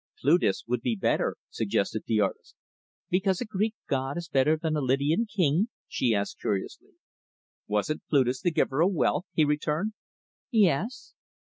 "Plutus would be better," suggested the artist. "Because a Greek God is better than a Lydian King?" she asked curiously. "Wasn't Plutus the giver of wealth?" he returned. "Yes."